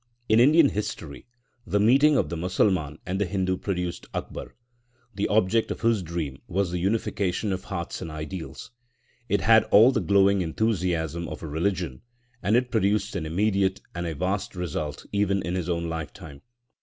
In Indian history, the meeting of the Mussulman and the Hindu produced Akbar, the object of whose dream was the unification of hearts and ideals. It had all the glowing enthusiasm of a religion, and it produced an immediate and a vast result even in his own lifetime.